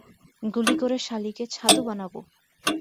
গুলি করে শালীকে ছাতু বানাবো!